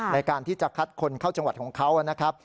ในการที่จะคัดคนเข้าจังหวัดของเขานะครับ